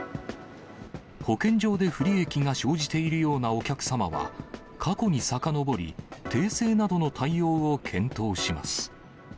保険上で不利益が生じているようなお客様は、過去にさかのぼり、訂正などの対応を検討します。